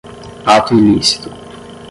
ato ilícito